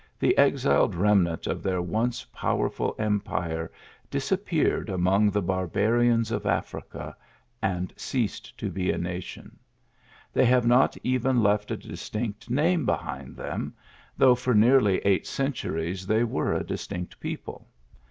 The exiled remnant of their once powerful empire disappeared among th? barbarians of Africa, and ceased to be a nation. They have not even left a distinct name behind them, though for nearly eight centuries they were a distinct people.